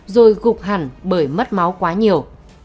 rồi gục hẳn bởi mất máu quá nhiều